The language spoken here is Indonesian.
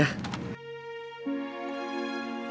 aku hubungi pakde sekarang ya